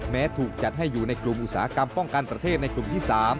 ถูกจัดให้อยู่ในกลุ่มอุตสาหกรรมป้องกันประเทศในกลุ่มที่๓